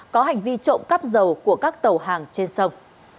có hành vi trộm cắp dầu của các tàu hàng trên sông